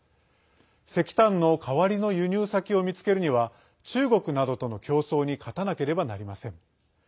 石炭の代わりの輸入先を見つけるには中国などとの競争に勝たなければなりません。